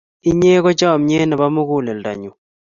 inye ko chamiet nepo muguleldo nyu